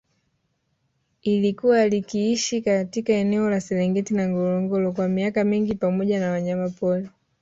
Ilikuwa likiishi katika eneo la Serengeti na Ngorongoro kwa miaka mingi pamoja na wanyamapori